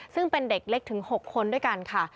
ซึ่งเป็นเด็กเล็กถึง๖คนด้วยกันค่ะ